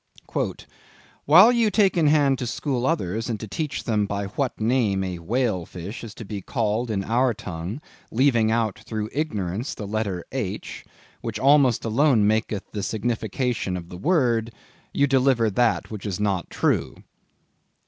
"While you take in hand to school others, and to teach them by what name a whale fish is to be called in our tongue, leaving out, through ignorance, the letter H, which almost alone maketh up the signification of the word, you deliver that which is not true."